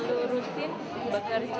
lalu rutin bakarnya